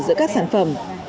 giữa các sản phẩm